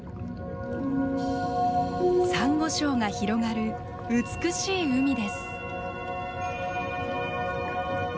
サンゴ礁が広がる美しい海です。